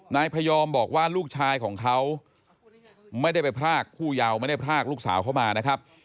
นายพยอมบอกว่าลูกชายของเขาไม่ได้ไปพรากผู้เยาว์ไม่ได้พรากลูกสาวเข้ามานะครับ